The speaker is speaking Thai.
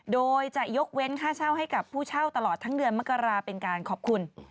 โดยจะยกเว้นค่าเช่าให้กับผู้เช่าตลอดทั้งเดือนมกราเป็นการขอบคุณ